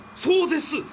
そうです。